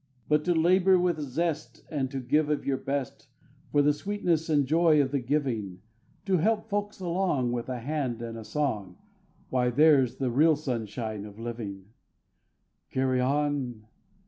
But to labour with zest, and to give of your best, For the sweetness and joy of the giving; To help folks along with a hand and a song; Why, there's the real sunshine of living. Carry on!